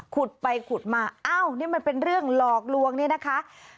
ขุดไปขุดมาอ้าวนี่มันเป็นเรื่องหลอกลวงเนี่ยนะคะ